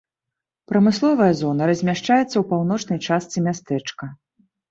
Прамысловая зона размяшчаецца ў паўночнай частцы мястэчка.